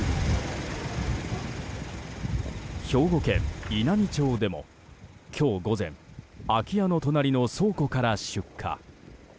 兵庫県稲美町でも今日午前空き家の隣の倉庫から出火。